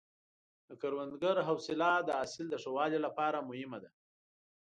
د کروندګر حوصله د حاصل د ښه والي لپاره مهمه ده.